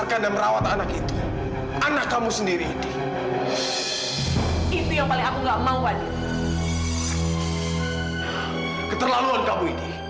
kamu terlalu egois untuk mengerti perasaan orang lain